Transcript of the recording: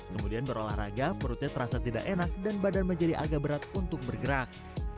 kemudian berolahraga perutnya terasa tidak enak dan badan menjadi agak berat untuk bergerak